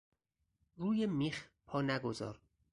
روی میخ پا نگذار!